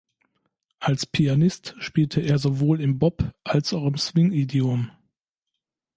Als Pianist spielte er sowohl im Bop als auch im Swing-Idiom.